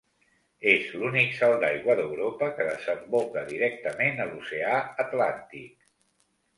És l'únic salt d'aigua d'Europa que desemboca directament a l'Oceà Atlàntic.